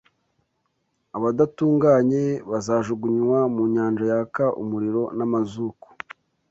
Abadatunganye bazajugunywa mu nyanja yaka umuriro n’amazuku